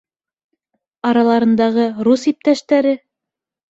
Араларындағы рус иптәштәре: